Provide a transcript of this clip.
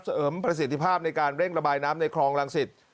เสริมประสิทธิภาพในการเร่งระบายน้ำในคลองรังสิต